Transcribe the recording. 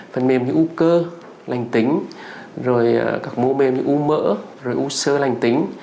phần mềm như u cơ lành tính rồi các mô mềm như u mỡ rồi u sơ lành tính